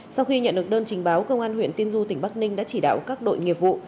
sau khi nhận được đơn trình báo công an huyện tiên du tỉnh bắc ninh đã chỉ đạo các đội nghiệp vụ